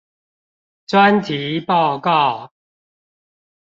專題報告